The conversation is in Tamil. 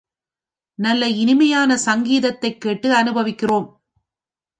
நல்ல இனிமையான சங்கீதத்தைக் கேட்டு அநுபவிக்கின்றோம்.